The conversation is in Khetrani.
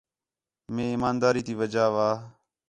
مئے ایمانداری تی وجہ وا